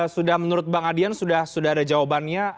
sudah menurut bang adian sudah ada jawabannya